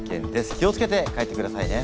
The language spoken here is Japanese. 気を付けて帰ってくださいね！